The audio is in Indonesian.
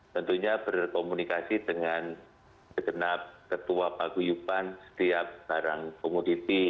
tentunya berkomunikasi dengan segenap ketua paguyupan setiap barang komoditi